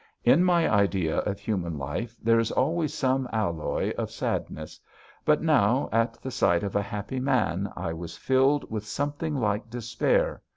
In my idea of human life there is always some alloy of sadness, but now at the sight of a happy man I was filled with something like despair.